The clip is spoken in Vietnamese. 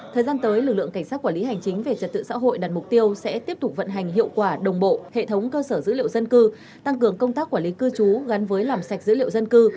thời gian tới lực lượng cảnh sát quản lý hành chính về trật tự xã hội đặt mục tiêu sẽ tiếp tục vận hành hiệu quả đồng bộ hệ thống cơ sở dữ liệu dân cư tăng cường công tác quản lý cư trú gắn với làm sạch dữ liệu dân cư